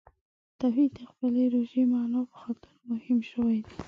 توحید د خپلې ژورې معنا په خاطر مهم شوی دی.